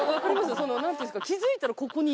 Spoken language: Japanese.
その何ていうんですか？